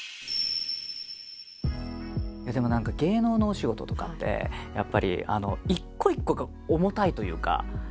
でも何か芸能のお仕事とかってやっぱり一個一個が重たいというか。